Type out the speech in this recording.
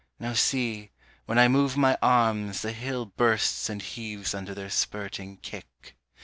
Now see, when I Move my arms the hill bursts and heaves under their spurting kick.